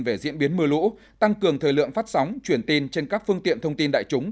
về diễn biến mưa lũ tăng cường thời lượng phát sóng truyền tin trên các phương tiện thông tin đại chúng